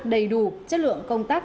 đầy đủ chất lượng công tác